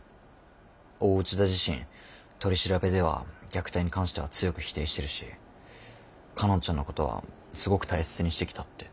大内田自身取り調べでは虐待に関しては強く否定してるし佳音ちゃんのことはすごく大切にしてきたって。